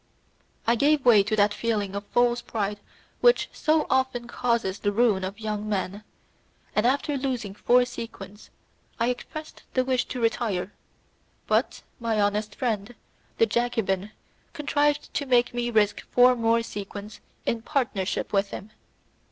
I gave way to that feeling of false pride which so often causes the ruin of young men, and after losing four sequins I expressed a wish to retire, but my honest friend, the Jacobin contrived to make me risk four more sequins in partnership with him.